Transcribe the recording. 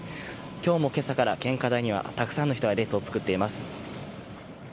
今日も今朝から献花台にはたくさんの人が列を作っています。